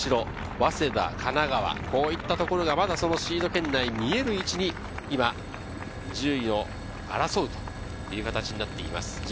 ご覧のようにその後ろ、早稲田、神奈川こういったところがまだシード圏内、見える位置に順位を争うという形になっています。